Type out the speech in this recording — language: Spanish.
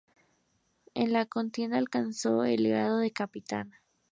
En la contienda alcanzó el grado de Capitán.